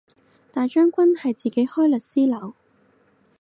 大將軍係自己開律師樓